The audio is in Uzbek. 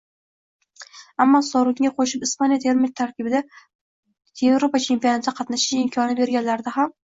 Ammo sovringa qoʻshib Ispaniya termasi tarkibida Yevropa chempionatida qatnashish imkonini berganlarida ham